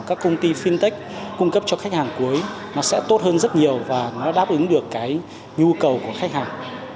các công ty fintech cung cấp cho khách hàng cuối nó sẽ tốt hơn rất nhiều và nó đáp ứng được cái nhu cầu của khách hàng